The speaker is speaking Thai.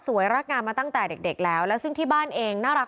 รักงามมาตั้งแต่เด็กแล้วแล้วซึ่งที่บ้านเองน่ารัก